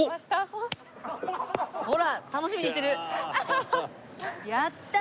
ほら！